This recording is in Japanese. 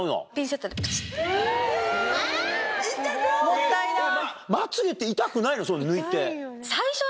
もったいない！